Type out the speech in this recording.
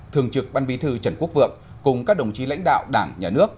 thường trực ban bí thư trần quốc vượng cùng các đồng chí lãnh đạo đảng nhà nước